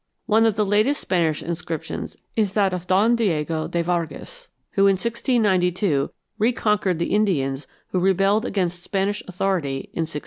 One of the latest Spanish inscriptions is that of Don Diego de Vargas, who in 1692 reconquered the Indians who rebelled against Spanish authority in 1680.